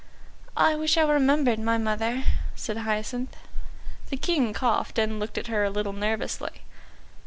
"I wish I remembered my mother," said Hyacinth. The King coughed and looked at her a little nervously.